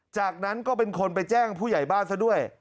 จากนั้นก็เป็นคนไปแจ้งผู้ใหญ่บ้านซะด้วย